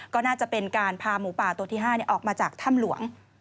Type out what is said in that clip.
ก็น่าจะเป็นการพาหมูป่าตัวที่๕ออกมาจากถ้ำหลวง